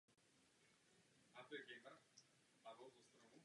Pod hrozbou nacistické invaze do Francie se v témže roce manželé vrátili do Lisabonu.